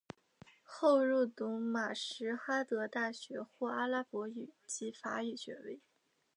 后入读马什哈德大学获阿拉伯语及法语学位。